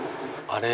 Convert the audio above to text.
あれ。